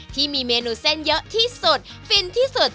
ที่มีเมนูเส้นเยอะที่สุดฟินที่สุด